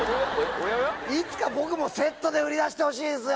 いつか僕もセットで売り出してほしいですよ。